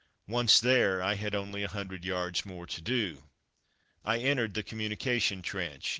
Once there, I had only a hundred yards more to do. I entered the communication trench.